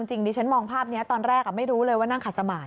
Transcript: จริงดิฉันมองภาพนี้ตอนแรกไม่รู้เลยว่านั่งขัดสมาธิ